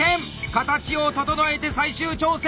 形を整えて最終調整！